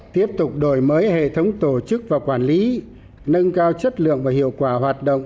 tiếp tục đổi mới hệ thống tổ chức và quản lý nâng cao chất lượng và hiệu quả hoạt động